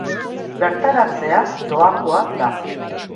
Bertaratzea doakoa da.